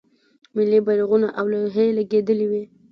ملی بیرغونه او لوحې لګیدلې وې.